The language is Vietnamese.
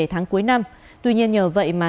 tháng cuối năm tuy nhiên nhờ vậy mà